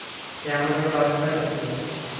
সে আমার উপর আস্থা রেখেছিল।